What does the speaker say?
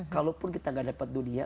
kalaupun kita gak dapat dunia